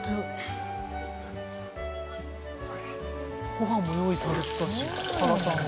ご飯も用意されてたし原さんが。